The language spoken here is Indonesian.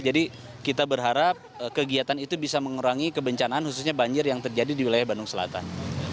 jadi kita berharap kegiatan itu bisa mengurangi kebencanaan khususnya banjir yang terjadi di wilayah bandung selatan